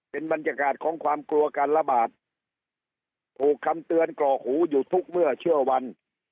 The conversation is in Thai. เป็นบรรยากาศของความกลัวการระบาดถูกคำเตือนกรอกหูอยู่ทุกเมื่อเชื่อวัน